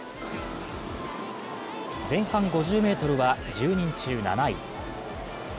前半５０ｍは１０人中７位。